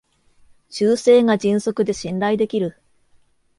修正が迅速で信頼できる